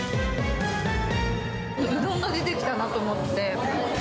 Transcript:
うどんが出てきたなと思って。